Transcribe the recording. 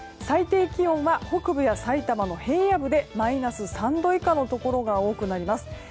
最低気温は北部や埼玉の平野部でマイナス３度以下のところが多くなります。